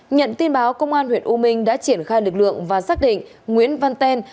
nhận tin báo công an huyện u minh đã triển khai lực lượng và xác định nguyễn văn ten